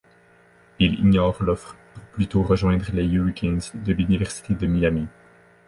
Il ignore l'offre pour plutôt rejoindre les Hurricanes de l'université de Miami.